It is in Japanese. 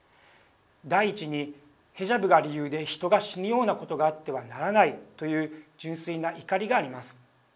第一にヘジャブが理由で人が死ぬようなことはあってはならないという純粋な怒りがあります。